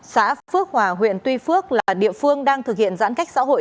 xã phước hòa huyện tuy phước là địa phương đang thực hiện giãn cách xã hội